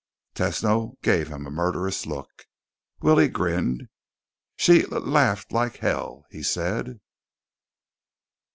Tesno gave him a murderous look. Willie grinned. "She l laughed like hell," he said.